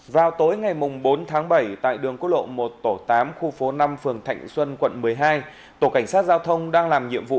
vào tối ngày bốn tháng bảy tại đường quốc lộ một tổ tám khu phố năm phường thạnh xuân quận một mươi hai tổ cảnh sát giao thông đang làm nhiệm vụ